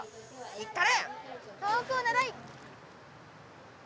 いったれ！